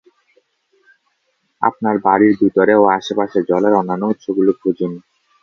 আপনার বাড়ির ভিতরে ও আশেপাশে জলের অন্যান্য উৎসগুলো খুঁজুন।